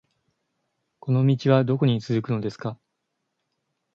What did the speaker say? この道はどこに続くのですか